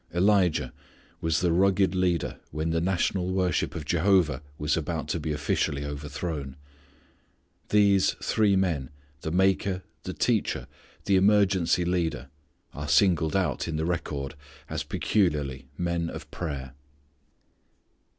Elijah was the rugged leader when the national worship of Jehovah was about to be officially overthrown. These three men, the maker, the teacher, the emergency leader are singled out in the record as peculiarly men of prayer.